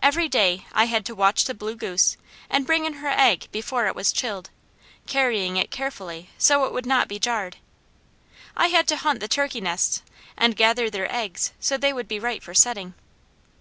Every day I had to watch the blue goose, and bring in her egg before it was chilled, carrying it carefully so it would not be jarred. I had to hunt the turkey nests and gather their eggs so they would be right for setting.